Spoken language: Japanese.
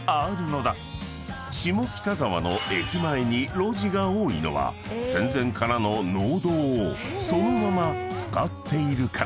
［下北沢の駅前に路地が多いのは戦前からの農道をそのまま使っているから］